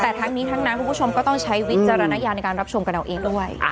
แต่ทั้งนี้ทั้งนั้นคุณผู้ชมก็ต้องใช้วิจารณญาณในการรับชมกันเอาเองด้วย